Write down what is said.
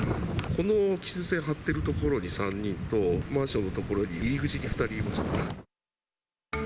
この規制線張ってる所に３人と、マンションの所に、入り口に２人いました。